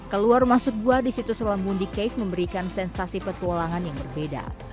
keluar masuk gua di situs selam wundi cave memberikan sensasi petualangan yang berbeda